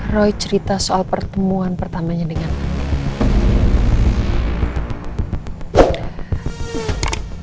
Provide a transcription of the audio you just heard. roy cerita soal pertemuan pertamanya dengan